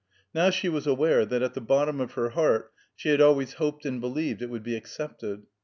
Now she was aware that at the bottom of her heart she had always hoped and believed it would be accepted.